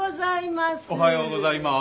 おはようございます！